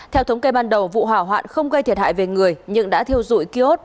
theo thống kê ban đầu vụ hỏa hoạn không gây thiệt hại về người nhưng đã thiêu dụi kiosk